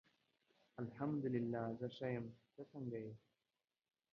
الحمد الله زه ښه یم ته څنګه یی